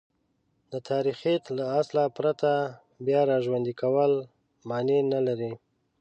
د تاریخیت له اصله پرته بیاراژوندی کول مانع نه لري.